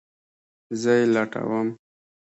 زه یی لټوم